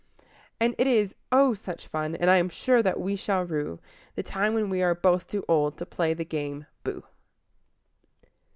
And it is, oh, such fun I am sure that we shall rue The time when we are both too old to play the game "Booh!"